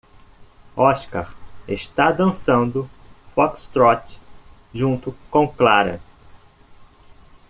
Oscar está dançando foxtrot junto com Clara.